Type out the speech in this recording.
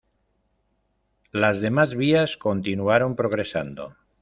Las demás vías continuaron progresando.